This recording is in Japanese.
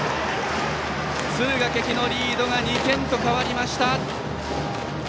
敦賀気比のリードが２点と変わりました。